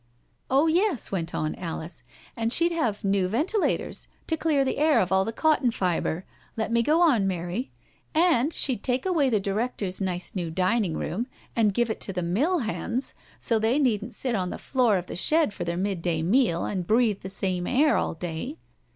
'*" Oh yes," went on Alice. " And she'd have new ventilators to clear the air of all the cotton fibre— let me go on, Mary— and she'd take away the directors' nice new dining room and give it to the mill hands, so that they needn't sit on the floor of the shed for their midday meal and breathe the same air all day.